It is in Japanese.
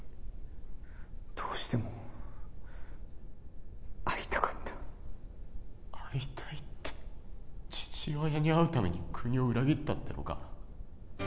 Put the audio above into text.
どうしても会いたかった会いたいって父親に会うために国を裏切ったっていうのか？